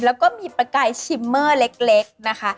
แล้วก็มีประกายชิมเมอร์เล็กนะคะ